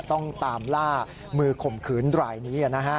ต้องตามล่ามือข่มขืนรายนี้